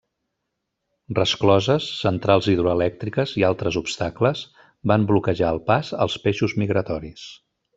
Rescloses, centrals hidroelèctriques i altres obstacles van bloquejar el pas als peixos migratoris.